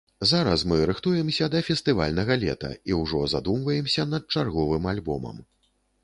Зараз мы рыхтуемся да фестывальнага лета і ўжо задумваемся над чарговым альбомам.